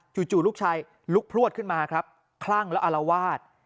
ลูกชายลุกพลวดขึ้นมาครับคลั่งแล้วอารวาส